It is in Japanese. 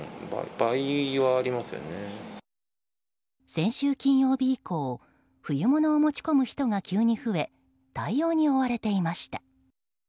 先週金曜日以降冬物を持ち込む人が急に増え対応に追われていました。